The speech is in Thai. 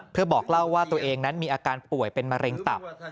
เพื่อบอกเล่าว่าตัวเองนั้นมีอาการป่วยเป็นมะเร็งตับ